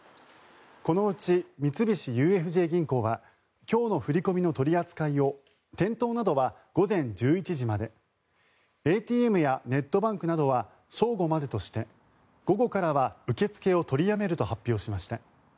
このうち三菱ＵＦＪ銀行は今日の振り込みの取り扱いを店頭などは午前１１時までＡＴＭやネットバンクなどは正午までとして午後からは受け付けを取りやめると発表しました。